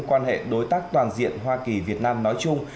quan hệ đối tác toàn diện hoa kỳ việt nam nói chung